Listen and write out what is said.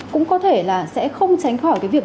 cũng có thể là sẽ không tránh khỏi cái việc